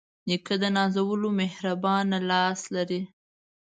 نیکه د نازولو مهربانه لاس لري.